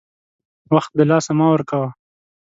وخت دلاسه مه ورکوه !